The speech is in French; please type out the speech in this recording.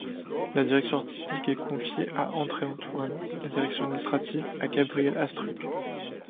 La direction artistique est confiée à André Antoine, la direction administrative à Gabriel Astruc.